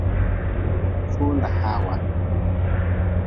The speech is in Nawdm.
Pola hawan.